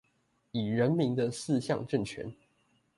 以人民的四項政權